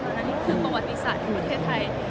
อันนี้คือประวัติศาสตร์ของประเทศไทย